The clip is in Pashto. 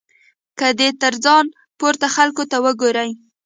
که دی تر ځان پورته خلکو ته وګوري.